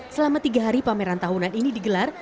selama tiga hari pameran tahunan ini digelar